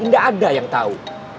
gak ada yang tau